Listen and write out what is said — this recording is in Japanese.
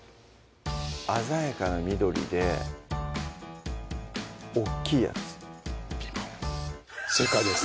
鮮やかな緑で大っきいやつピンポン正解です